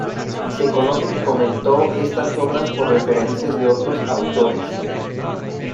Se conoce que comentó estas obras por referencias de otros autores.